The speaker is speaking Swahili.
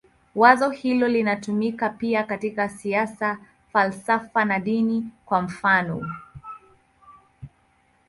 Wazo hilo linatumika pia katika siasa, falsafa na dini, kwa mfanof.